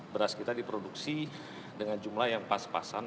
beras kita diproduksi dengan jumlah yang pas pasan